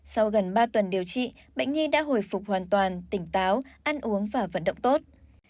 sau gần ba tuần điều trị bệnh nhi đã hồi phục hoàn toàn tỉnh táo ăn uống và vận động tốt